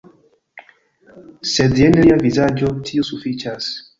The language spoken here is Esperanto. Sed jen lia vizaĝo - tiu sufiĉas